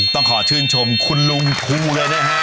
ต้องขอชื่นชมคุณลุงทูเลยนะฮะ